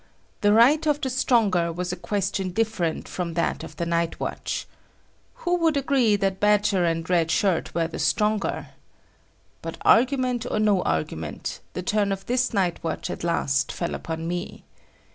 The right of the stronger was a question different from that of the night watch. Who would agree that Badger and Red Shirt were the stronger? But argument or no argument, the turn of this night watch at last fell upon me.